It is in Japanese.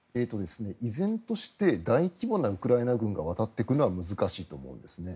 依然として大規模なウクライナ軍が渡っていくのは難しいと思うんですね。